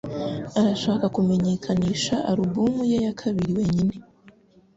arashaka kumenyekanishe alubumu ye ya kabiri wenyine